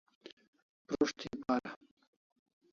Prus't thi para